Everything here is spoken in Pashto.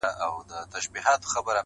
نه یې رنګ نه یې آواز چاته منلی!.